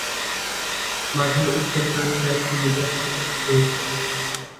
মাঠের উত্তর প্রান্তে একটি মিডিয়া কমপ্লেক্স রয়েছে।